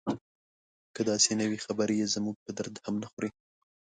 که داسې نه وي خبرې یې زموږ په درد هم نه خوري.